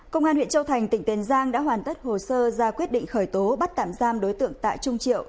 công an huyện châu thành tỉnh tiền giang đã hoàn tất hồ sơ ra quyết định khởi tố bắt tạm giam đối tượng tạ trung triệu